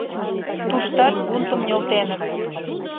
Туштат бунтым нӧлтеныт.